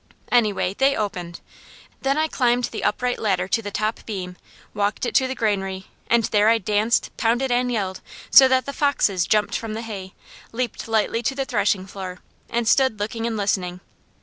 Anyway, they opened. Then I climbed the upright ladder to the top beam, walked it to the granary, and there I danced, pounded and yelled so that the foxes jumped from the hay, leaped lightly to the threshing floor, and stood looking and listening.